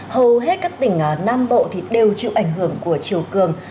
hầu hết các tỉnh nam bộ đều chịu ảnh hưởng của chiều cường